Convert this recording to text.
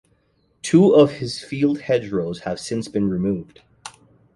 Two of this field's hedgerows have since been removed.